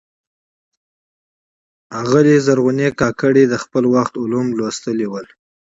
آغلي زرغونې کاکړي د خپل وخت علوم لوستلي ول.